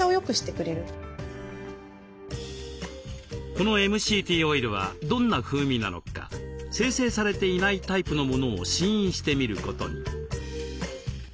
このＭＣＴオイルはどんな風味なのか精製されていないタイプのものを試飲してみることに。